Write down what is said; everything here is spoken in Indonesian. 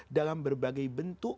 dalam berbagai bentuk